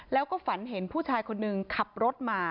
แล้วก็ฝันเห็นผู้ชายคนนึงขับรถมา